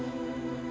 bisa jadi seperti ini